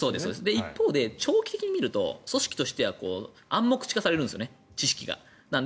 一方で、長期的に見ると組織としては暗黙知化されるんですね知識が。